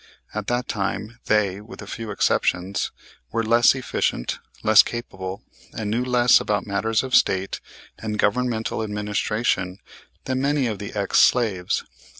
At that time they, with a few exceptions, were less efficient, less capable, and knew less about matters of state and governmental administration than many of the ex slaves.